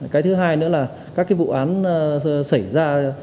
cái thứ hai nữa là các cái vụ án xảy ra